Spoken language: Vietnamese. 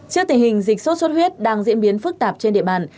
trước tình hình dịch sốt xuất huyết đang diễn biến phức tạp trên địa bàn